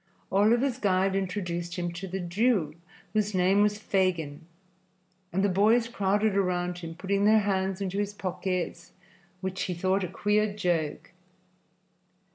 Oliver's guide introduced him to the Jew, whose name was Fagin, and the boys crowded around him, putting their hands into his pockets, which he thought a queer joke.